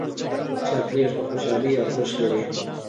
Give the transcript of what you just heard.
چاکلېټ د خوشحالۍ ارزښت لري